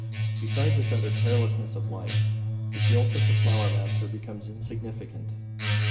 Beside this utter carelessness of life, the guilt of the Flower Master becomes insignificant.